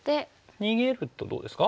逃げるとどうですか？